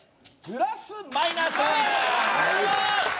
プラス・マイナス！